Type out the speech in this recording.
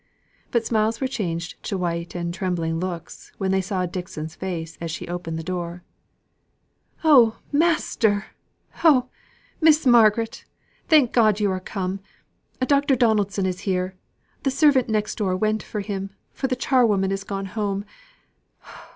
But smiles were changed to white and trembling looks when they saw Dixon's face, as she opened the door. "Oh, master! Oh, Miss Margaret! Thank God you are come! Dr. Donaldson is here. The servant next door went for him, for the charwoman is gone home.